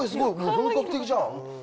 本格的じゃん。